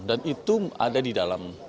dan itu ada di dalam